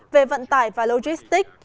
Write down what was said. về vận tải và logistic